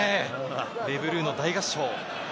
レ・ブルーの大合唱。